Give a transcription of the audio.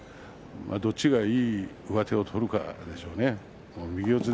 どちらがいい上手を取るかでしょうね。